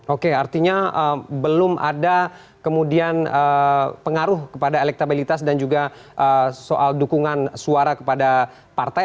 oke artinya belum ada kemudian pengaruh kepada elektabilitas dan juga soal dukungan suara kepada partai